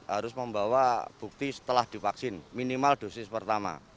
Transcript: harus membawa bukti setelah divaksin minimal dosis pertama